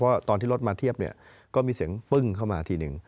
ตอนที่รถมาเทียบเนี่ยก็มีเสียงปึ้งเข้ามาทีหนึ่ง